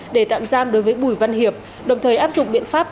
để tạm giam đối với bùi văn hiệp đồng thời áp dụng biện pháp